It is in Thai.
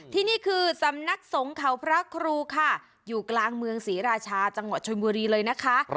ที่นี่คือสำนักสงฆ์เขาพระครูค่ะอยู่กลางเมืองศรีราชาจังหวัดชนบุรีเลยนะคะ